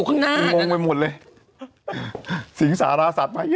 พากลิงซะแม้